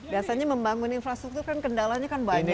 biasanya membangun infrastruktur kan kendalanya kan banyak